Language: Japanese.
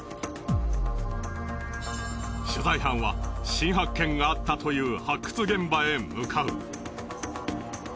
取材班は新発見があったという発掘現場へ向かう。